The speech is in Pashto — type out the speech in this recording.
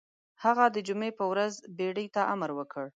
هغه د جمعې په ورځ بېړۍ ته امر وکړ.